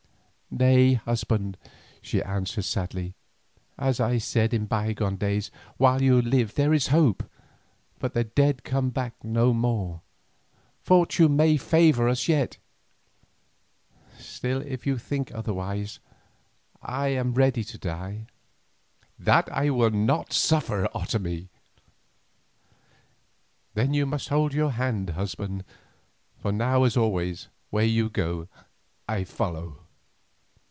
"Nay, husband," she answered sadly, "as I said in bygone days, while you live there is hope, but the dead come back no more. Fortune may favour us yet; still, if you think otherwise, I am ready to die." "That I will not suffer, Otomie." "Then you must hold your hand, husband, for now as always, where you go, I follow."